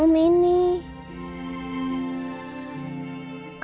kenapa om ini nemenin aku